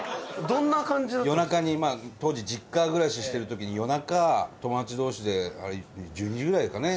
伊達：夜中に、まあ当時、実家暮らししてる時に夜中、友達同士であれ、１２時ぐらいかね。